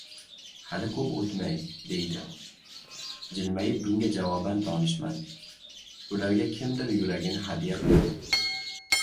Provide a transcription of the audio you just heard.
– Hali koʻp oʻtmay, – deydi jilmayib bunga javoban donishmand, – ularga kimdir yuragini hadya qiladi.